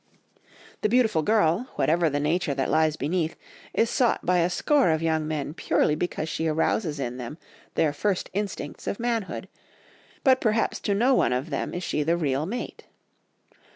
The beautiful girl, whatever the nature that lies beneath, is sought by a score of young men purely because she arouses in them their first instincts of manhood, but perhaps to no one of them is she the real mate.